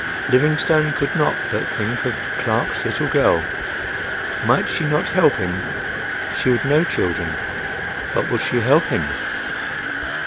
Livingstone could not but think of Clark's little girl. Might she not help him? She would know children. But would she help him?